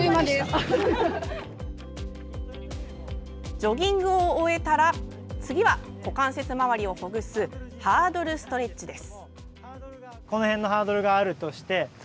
ジョギングを終えたら次は股関節周りをほぐすハードルストレッチです。